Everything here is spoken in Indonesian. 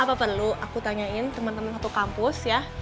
apa perlu aku tanyain temen temen satu kampus ya